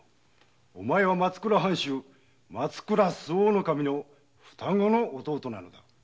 お前は松倉藩主松倉周防守の双子の弟なのだ。